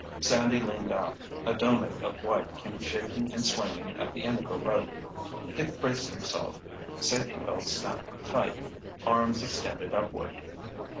Sandy leaned out, a doughnut of white came shaking and swinging at the end of a rope. Dick braced himself, safety belt snapped tight, arms extended upward.